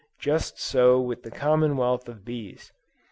Just so with the commonwealth of bees.